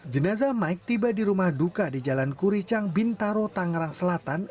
jenazah mike tiba di rumah duka di jalan kuricang bintaro tangerang selatan